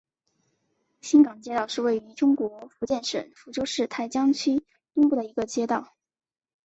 新港街道是位于中国福建省福州市台江区东部的一个街道。